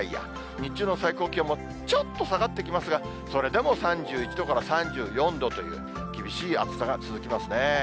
日中の最高気温もちょっと下がってきますが、それでも３１度から３４度という厳しい暑さが続きますね。